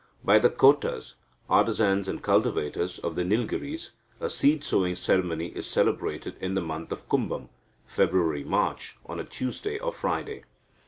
By the Kotas (artisans and cultivators) of the Nilgiris, a seed sowing ceremony is celebrated in the month of Kumbam (February March) on a Tuesday or Friday.